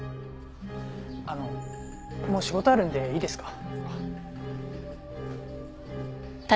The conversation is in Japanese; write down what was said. あのもう仕事あるんでいいですか？